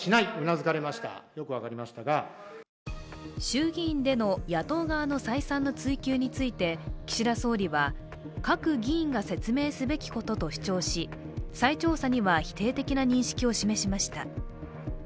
衆議院での野党側の再三の追及について岸田総理は各議員が説明すべきことと主張し再調査には否定的な認識を示しました。